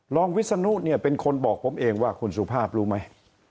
รองวิศนุเป็นคนบอกผมเองว่าคุณสุภาพรู้ไหม